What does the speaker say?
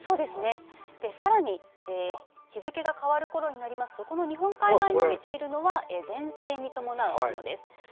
さらに日付が変わるころになりますと日本海側に伸びているのが前線に伴う雲です。